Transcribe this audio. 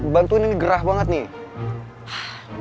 bantuan ini gerah banget nih